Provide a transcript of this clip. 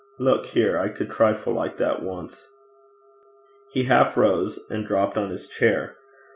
Look here. I could trifle like that once.' He half rose, then dropped on his chair.